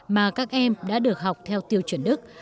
mà các em đã được học theo tiêu chuẩn đức